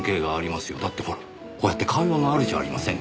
だってほらこうやって会話があるじゃありませんか。